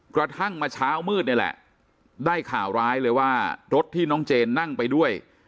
กระทั่งมาเช้ามืดนี่แหละได้ข่าวร้ายเลยว่ารถที่น้องเจนนั่งไปด้วย